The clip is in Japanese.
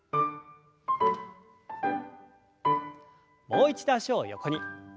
もう一度脚を横に。